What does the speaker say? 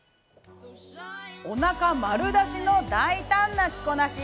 お腹丸出しの大胆な着こなし。